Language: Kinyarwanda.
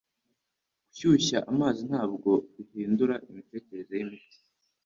Gushyushya amazi ntabwo bihindura imiterere yimiti